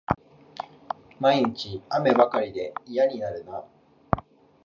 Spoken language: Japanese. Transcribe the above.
毎日、雨ばかりで嫌になるな